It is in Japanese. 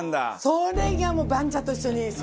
それがもう番茶と一緒に。